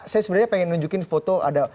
saya sebenarnya pengen nunjukin foto ada